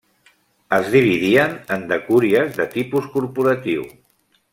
Es dividien en decúries de tipus corporatiu.